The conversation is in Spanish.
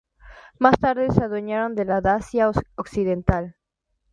Más tarde se adueñaron de la Dacia Occidental.